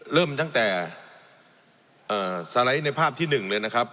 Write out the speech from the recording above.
เริ่มตั้งแต่สไลด์ในภาพที่๑เลยนะครับ